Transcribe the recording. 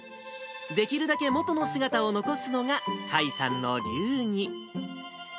できるだけ元の姿を残すのが甲斐さんの流儀。